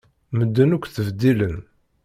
Medden akk ttbeddilen.